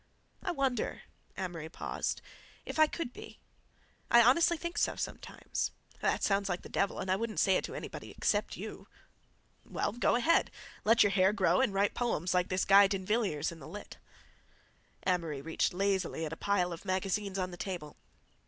"I wonder"—Amory paused—"if I could be. I honestly think so sometimes. That sounds like the devil, and I wouldn't say it to anybody except you." "Well—go ahead. Let your hair grow and write poems like this guy D'Invilliers in the Lit." Amory reached lazily at a pile of magazines on the table.